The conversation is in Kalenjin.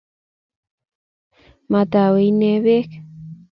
Matwae inne beek